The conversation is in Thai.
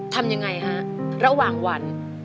ทำยังไงฮะระหว่างวัน